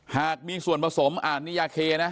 หากมีส่วนผสมอ่านนิยาเคนะ